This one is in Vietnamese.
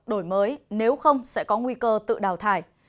đổi mới nếu không sẽ có nguy cơ tự đào thải